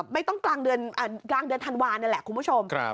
ไม่ต้องกลางเดือนธันวาลนี่แหละคุณผู้ชม